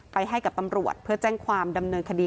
ให้กับตำรวจเพื่อแจ้งความดำเนินคดี